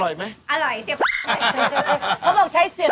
อร่อยเสียบ